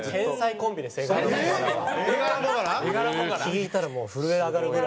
聞いたらもう震え上がるぐらい。